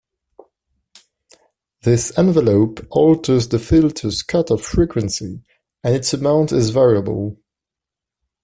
This envelope alters the filter's cutoff frequency and its amount is variable.